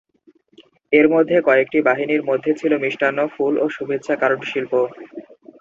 এর মধ্যে কয়েকটি বাহিনীর মধ্যে ছিল মিষ্টান্ন, ফুল এবং শুভেচ্ছা কার্ড শিল্প।